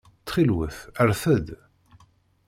Ttxil-wet rret-d.